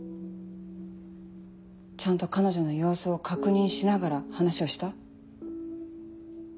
ちゃんと彼女の様子を確認しながら話をした？